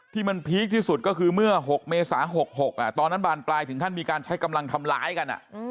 ที่มันพีคที่สุดก็คือเมื่อ๖เมษา๖๖ตอนนั้นบานปลายถึงขั้นมีการใช้กำลังทำร้ายกัน